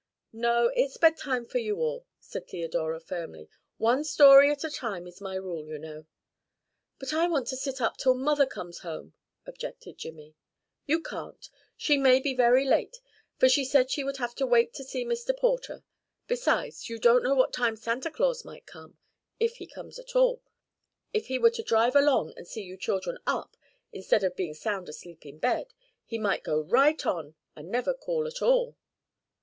"No, it's bedtime for you all," said Theodora firmly. "One story at a time is my rule, you know." "But I want to sit up till Mother comes home," objected Jimmy. "You can't. She may be very late, for she would have to wait to see Mr. Porter. Besides, you don't know what time Santa Claus might come if he comes at all. If he were to drive along and see you children up instead of being sound asleep in bed, he might go right on and never call at all."